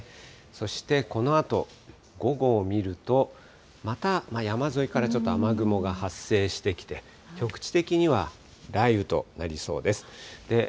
そして、このあと午後を見ると、また山沿いからちょっと雨雲が発生してきて、局地的には雷雨となりそうです。